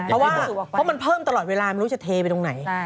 เพราะว่าเพราะมันเพิ่มตลอดเวลาไม่รู้จะเทไปตรงไหน